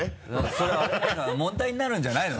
それは問題になるんじゃないの？